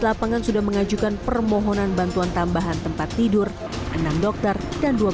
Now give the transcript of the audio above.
lapangan sudah mengajukan permohonan bantuan tambahan tempat tidur enam dokter dan dua belas